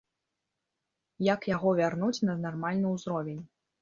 Як яго вярнуць на нармальны ўзровень?